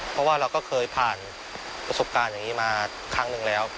เพราะว่าเราก็เคยผ่านประสบการณ์อย่างนี้มาครั้งหนึ่งแล้ว